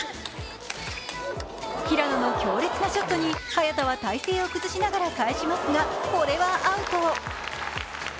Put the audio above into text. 平野の強烈なショットに早田は体勢を崩しながら返しますがこれはアウト。